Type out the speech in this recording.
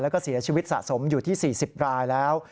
แล้วก็เสียชีวิตสะสมอยู่ที่๔๐รายแล้ว